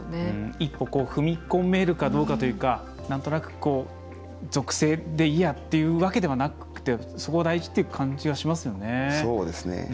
一歩踏み込めるかどうかというかなんとなく属性でいいやというわけではなくてそこが大事という感じがしますよね。